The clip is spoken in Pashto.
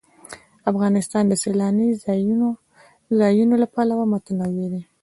افغانستان د سیلانی ځایونه له پلوه متنوع دی.